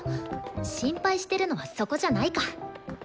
心配してるのはそこじゃないか。